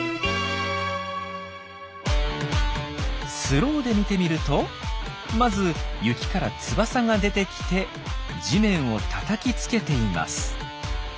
スローで見てみるとまず雪から翼が出てきて地面をたたきつけています。